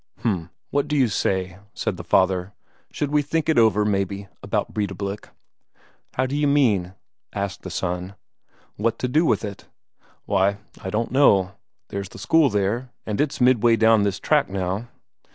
"H'm what d'you say?" said the father. "Should we think it over, maybe, about Breidablik?" "How d'you mean?" asked the son. "What to do with it?" "Why, I don't know. There's the school there, and it's midway down this tract now."